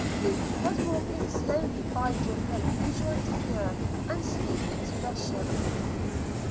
Ruth was walking slowly by with her usual demure and sweet expression.